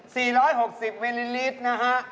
๔๖๐มิลลิลิตรนะฮะ